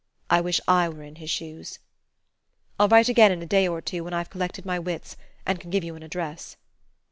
I wish I were in his shoes. "I'll write again in a day or two, when I've collected my wits, and can give you an address.